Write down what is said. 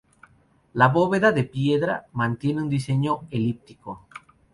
La bóveda, de piedra, mantiene un diseño elíptico.